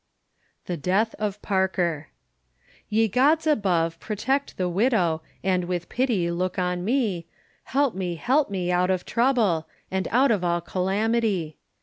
THE DEATH OF PARKER. Ye Gods above protect the widow, And with pity look on me, Help me, help me out of trouble, And out of all calamity.